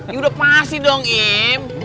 yaudah pasti dong im